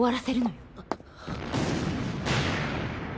あっ。